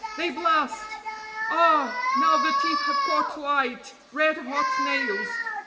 They blast! Ah, now the teeth have caught light red hot nails.